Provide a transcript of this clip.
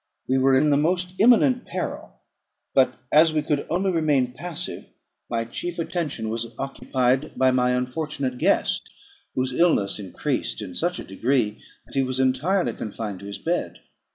We were in the most imminent peril; but, as we could only remain passive, my chief attention was occupied by my unfortunate guest, whose illness increased in such a degree, that he was entirely confined to his bed.